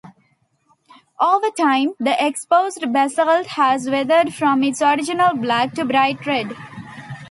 Over time, the exposed basalt has weathered from its original black to bright red.